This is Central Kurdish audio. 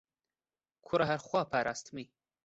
کوڕە هەر خوا پاراستمی